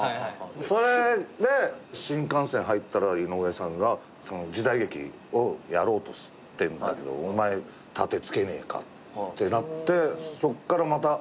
それで新感線入ったらいのうえさんが「時代劇をやろうとしてんだけどお前殺陣つけねえか」ってなってそっからまたあらためて。